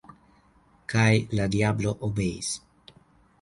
» kaj la diablo obeis.